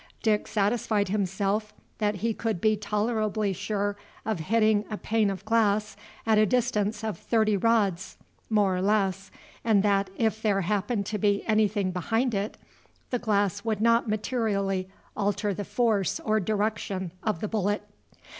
Dick satisfied himself that he could be tolerably sure of hitting a pane of glass at a distance of thirty rods, more or less, and that, if there happened to be anything behind it, the glass would not materially alter the force or direction of the bullet.